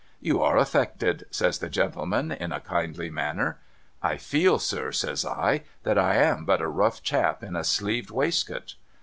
' You are affected,' says the gentleman in a kindly manner. ' I feel, sir,' says I, ' that I am but a rough chap in a sleeved waistcoat.'